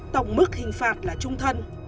tổng mức hình phạt là trung thân